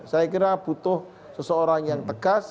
saya kira butuh seseorang yang tegas